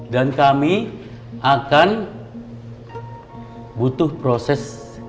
dan kami akan butuh proses